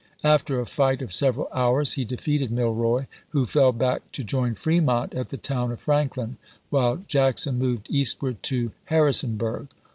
After a fight of several hours he defeated Milroy, who fell back to join Fremont at the town of Franklin, while Jackson moved eastward to Har risonburg.